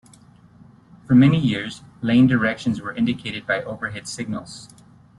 For many years, lane directions were indicated by overhead signals.